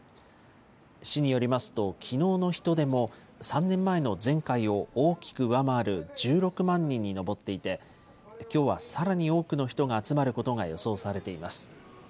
市によりますと、きのうの人出も３年前の前回を大きく上回る１６万人に上っていて、きょうはさらに多くの人が集まることが予想されています。